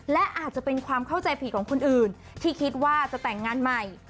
และอาจจะเป็นความเข้าใจผิดของคนอื่นที่คิดว่าจะแต่งงานใหม่